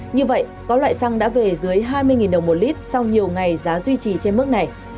như vậy có loại xăng đã về dưới hai mươi đồng một lít sau nhiều ngày giá duy trì trên mức này